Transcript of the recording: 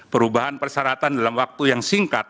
perubahan persyaratan dalam waktu yang singkat